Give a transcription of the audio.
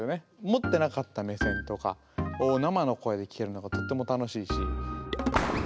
持ってなかった目線とかを生の声で聞けるのがとっても楽しいし。